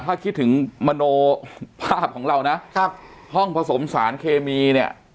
ถ้าคิดถึงมโนภาพของเรานะครับห้องผสมสารเคมีเนี่ย